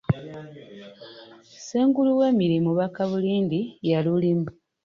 Ssenkulu w'emirimu Bakabulindi yalulimu.